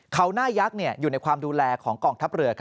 เขาหน้ายักษ์อยู่ในความดูแลของกองทัพเรือ